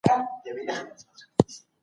هغه څوک چي اوبه څښي روغ وي.